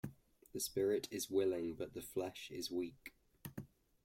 The spirit is willing but the flesh is weak.